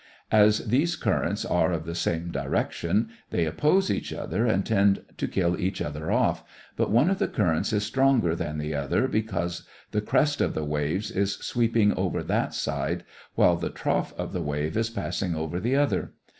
As these currents are of the same direction, they oppose each other and tend to kill each other off, but one of the currents is stronger than the other because the crest of the wave is sweeping over that side, while the trough of the wave is passing over the other.